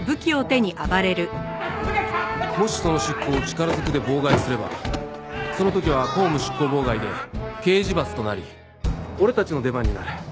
もしその執行を力ずくで妨害すればその時は公務執行妨害で刑事罰となり俺たちの出番になる。